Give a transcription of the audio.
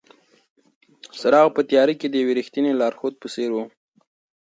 څراغ په تیاره کې د یوې رښتینې لارښود په څېر و.